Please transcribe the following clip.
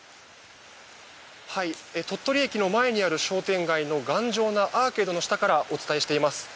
鳥取駅の前にある商店街の頑丈なアーケードの下からお伝えしています。